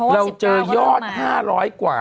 เราเจอยอด๕๐๐กว่า